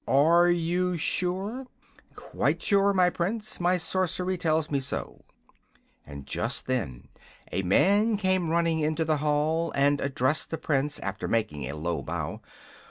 "Are you sure?" "Quite sure, my Prince. My sorcery tells me so." Just then a man came running into the hall and addressed the Prince after making a low bow.